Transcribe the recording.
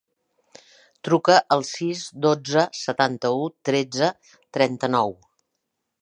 Truca al sis, dotze, setanta-u, tretze, trenta-nou.